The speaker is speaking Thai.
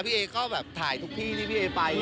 พี่เอก็แบบถ่ายทุกที่ที่พี่เอไป